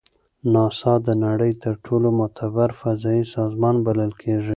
ناسا د نړۍ تر ټولو معتبر فضایي سازمان بلل کیږي.